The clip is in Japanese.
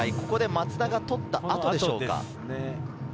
松田が取った後でしょうか？